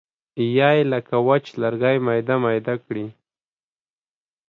یا یې لکه وچ لرګی میده میده کړي.